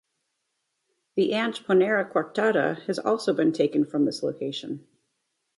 The ant "Ponera coarctata" has also been taken from this location.